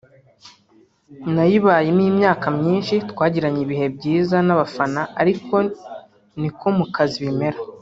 nayibayemo imyaka myinshi twagiranye ibihe byiza n’abafana ariko niko mu kazi bimera